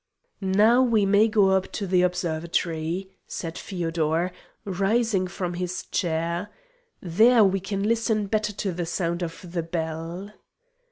"Now we may go up to the observatory," said Feodor, rising from his chair. "There we can listen better to the sound of the bell."